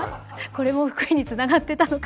これも福井につながってたのか。